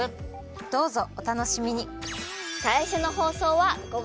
どうぞおたのしみに！